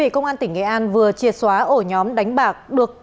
công an tỉnh nghệ an vừa triệt xóa ổ nhóm đánh bạc